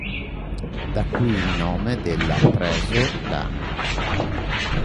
Da qui il nome della Preso-Lana.